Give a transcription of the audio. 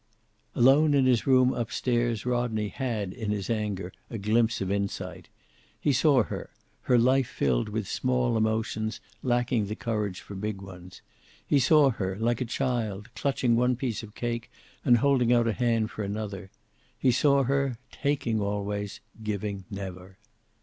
Alone in his room up stairs Rodney had, in his anger, a glimpse of insight. He saw her, her life filled with small emotions, lacking the courage for big ones. He saw her, like a child, clutching one piece of cake and holding out a hand for another. He saw her, taking always, giving never.